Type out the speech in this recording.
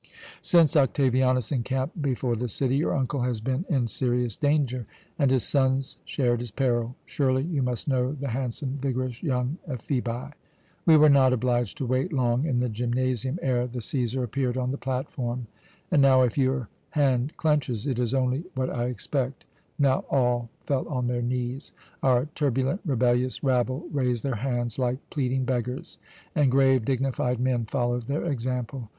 "Since Octavianus encamped before the city, your uncle has been in serious danger, and his sons shared his peril. Surely you must know the handsome, vigorous young Ephebi. "We were not obliged to wait long in the gymnasium ere the Cæsar appeared on the platform; and now if your hand clenches, it is only what I expect now all fell on their knees. Our turbulent, rebellious rabble raised their hands like pleading beggars, and grave, dignified men followed their example.